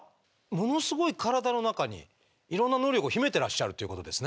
ものすごい体の中にいろんな能力を秘めてらっしゃるっていうことですね？